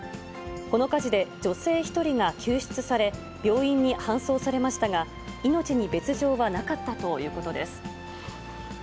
この火事で女性１人が救出され、病院に搬送されましたが、命に別状はなかったということです。